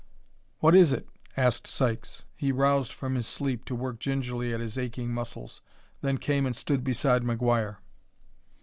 "What is it?" asked Sykes. He roused from his sleep to work gingerly at his aching muscles, then came and stood beside McGuire.